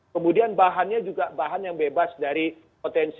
kemudian bahannya juga bahan yang bebas dari potensi